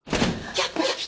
キャップ！